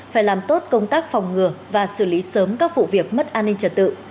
phải làm tốt công tác phòng ngừa và xử lý sớm các vụ việc mất an ninh trật tự